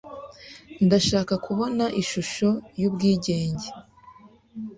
Ndashaka kubona Ishusho y'Ubwigenge.